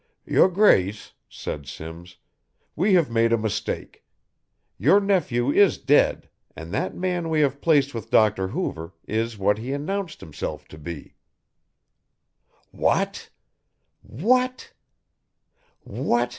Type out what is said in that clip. "Your Grace," said Simms, "we have made a mistake. Your nephew is dead and that man we have placed with Dr. Hoover is what he announced himself to be." "What! What! What!"